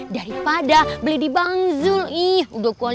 daripada beli di bangzul